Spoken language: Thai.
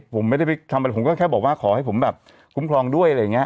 ผมไม่ได้ไปทำอะไรผมก็แค่บอกว่าขอให้ผมแบบคุ้มครองด้วยอะไรอย่างนี้